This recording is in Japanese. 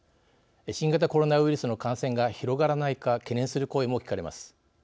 新型コロナウイルスの感染が広がらないか懸念する声も聞かれます。